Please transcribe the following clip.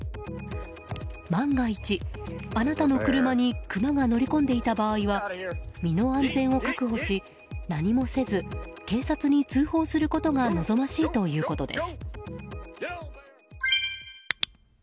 万が一、あなたの車にクマが乗り込んでいた場合は身の安全を確保し何もせず警察に通報することが望ましいということです。